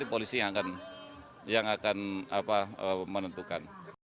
polisi yang akan menentukan